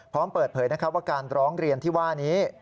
พร้อมเปิดเผยว่าการร้องเรียนที่ว่านี้